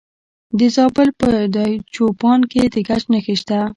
د زابل په دایچوپان کې د ګچ نښې شته.